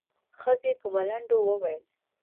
ښځې په ملنډو وويل.